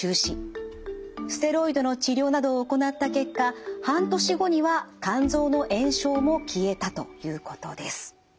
ステロイドの治療などを行った結果半年後には肝臓の炎症も消えたということです。